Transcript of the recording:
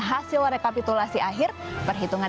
hasil rekapitulasi akhir perhitungan